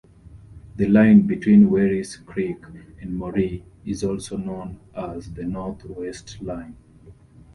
The line between Werris Creek and Moree is also known as the North-West line.